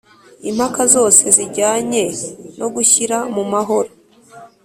Impaka zose zijyanye no gushyira mumahoro